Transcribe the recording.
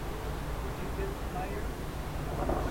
Did you get the Mayor?